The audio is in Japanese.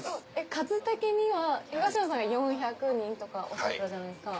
数的には東野さん４００人とかおっしゃってたじゃないですか。